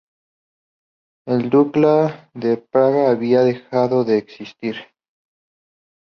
El Dukla de Praga había dejado de existir.